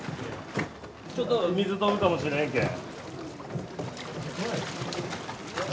ちょっと水飛ぶかもしれんけん。